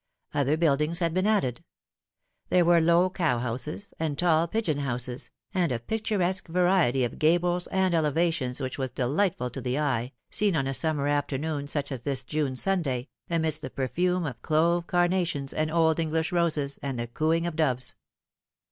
Other buildings had been added. There were low cowhouses, and tall pigeon houses, and a picturesque variety of gables and elevations which was delightful to the eye, seen on a summer afternoon Buch as this Juue Sunday, amidst the perfume of clove carnations and old English roses, and the cooing of doves.